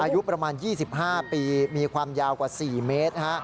อายุประมาณ๒๕ปีมีความยาวกว่า๔เมตร